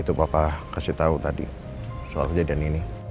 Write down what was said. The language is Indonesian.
itu papa kasih tau tadi soal kejadian ini